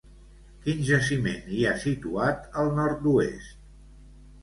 Quin jaciment hi ha situat al nord-oest?